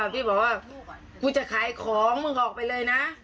พี่บอกว่ากูจะขายของมึงออกไปเลยนะ